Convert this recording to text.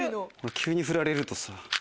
急にふられるとさ。